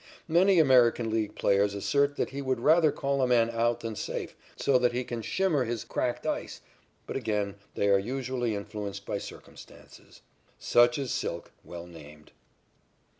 Many American League players assert that he would rather call a man out than safe, so that he can shimmer his "cracked ice," but again they are usually influenced by circumstances. Such is "Silk," well named.